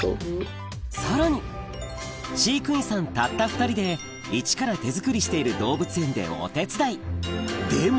さらに飼育員さんたった２人でイチから手作りしている動物園でお手伝いでも！